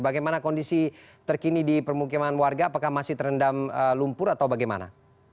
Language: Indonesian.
bagaimana kondisi terkini di permukiman warga apakah masih terendam lumpur atau bagaimana